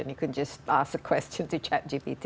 dan anda hanya bisa bertanya soal chat gpt